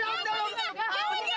eh jangan macem macem lu ya